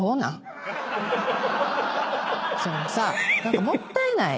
そのさ何かもったいない。